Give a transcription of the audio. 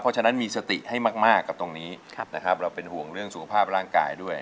เพราะฉะนั้นมีสติให้มากกับตรงนี้นะครับเราเป็นห่วงเรื่องสุขภาพร่างกายด้วย